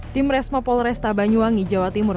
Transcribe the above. tim resmo polresta banyuwangi jawa timur